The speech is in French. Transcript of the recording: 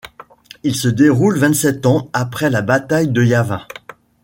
Il se déroule vingt-sept ans après la bataille de Yavin.